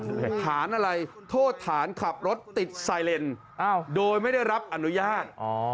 ฐานอะไรโทษฐานขับรถติดไซเลนโดยไม่ได้รับอนุญาต